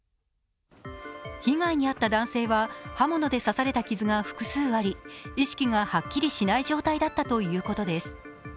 被害に遭った男性は刃物で刺された傷が複数あり意識がはっきりしない状態だったということです。